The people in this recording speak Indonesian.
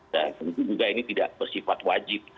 dan tentu juga ini tidak bersifat wajib